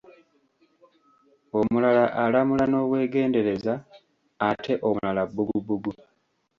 Omulala alamula n'obwegendereza ate omulala bbugubugu.